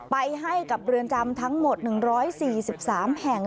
ไปให้กับเรือนจำทั้งหมด๑๔๓แห่ง